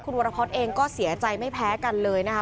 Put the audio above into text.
วรพฤษเองก็เสียใจไม่แพ้กันเลยนะคะ